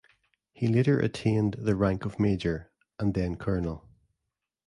He later attained the rank of Major, and then Colonel.